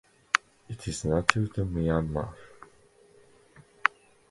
It is native to Myanmar.